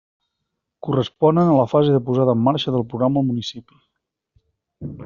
Corresponen a la fase de posada en marxa del programa al municipi.